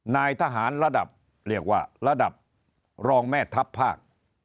นายทหารระดับเรียกว่าระดับรองแม่ทัพภาค